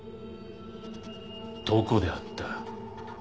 どこで会った？